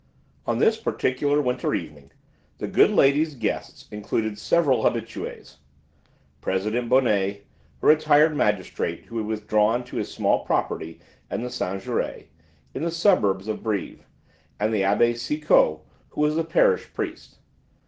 On this particular winter evening the good lady's guests included several habitués: President Bonnet, a retired magistrate who had withdrawn to his small property at Saint Jaury, in the suburbs of Brives, and the Abbé Sicot, who was the parish priest.